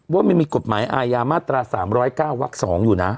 ว่ามันมีกฎหมายอาญามาตรา๓๐๙วัก๒อยู่นะ